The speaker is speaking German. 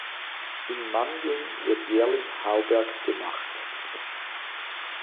In Mandeln wird jährlich Hauberg gemacht.